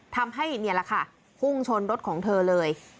ทำให้เนี่ยแหละค่ะหุ้งชนรถของเธอเลย